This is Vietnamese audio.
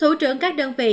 thủ trưởng các đơn vị